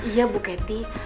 iya bu kety